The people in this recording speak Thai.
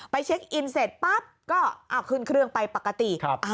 เช็คอินเสร็จปั๊บก็เอาขึ้นเครื่องไปปกติ